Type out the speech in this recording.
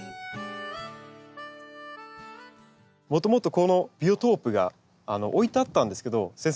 もともとこのビオトープが置いてあったんですけど先生